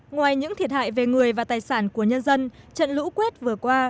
ngoài những thiệt hại về người và tài sản của nhân dân trận lũ quét vừa qua